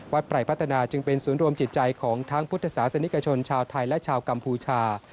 ไรพัฒนาจึงเป็นศูนย์รวมจิตใจของทั้งพุทธศาสนิกชนชาวไทยและชาวกัมพูชา